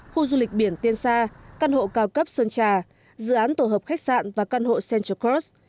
khu du lịch biển tiên sa căn hộ cao cấp sơn trà dự án tổ hợp khách sạn và căn hộ central cross